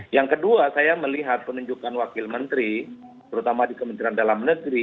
yang kedua saya melihat penunjukan wakil menteri terutama di kementerian dalam negeri